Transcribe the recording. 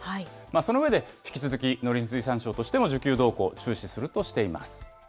その上で、引き続き農林水産省としても需給動向、注視するとしています。